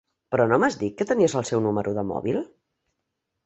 Però no m'has dit que tenies el seu número de mòbil?